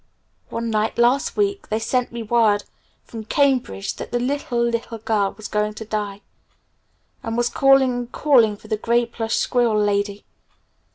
"One night last week they sent me word from Cambridge that the little, little girl was going to die and was calling and calling for the 'Gray Plush Squirrel Lady'.